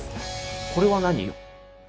これは何？